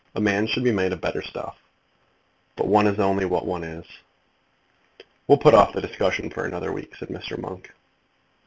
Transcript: A man should be made of better stuff; but one is only what one is." "We'll put off the discussion for another week," said Mr. Monk.